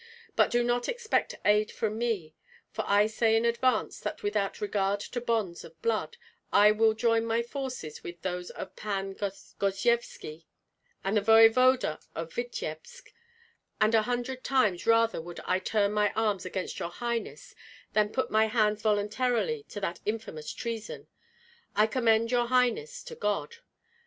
But do not expect aid from me, for I say in advance that without regard to bonds of blood, I will join my forces with those of Pan Gosyevski and the voevoda of Vityebsk; and a hundred times rather would I turn my arms against your highness than put my hands voluntarily to that infamous treason. I commend your highness to God.